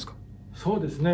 そうですね